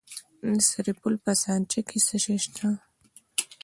د سرپل په سانچارک کې څه شی شته؟